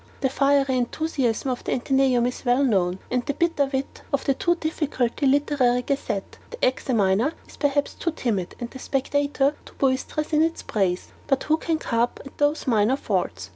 The fiery enthusiasm of the ATHENAEUM is well known: and the bitter wit of the too difficult LITERARY GAZETTE. The EXAMINER is perhaps too timid, and the SPECTATOR too boisterous in its praise but who can carp at these minor faults?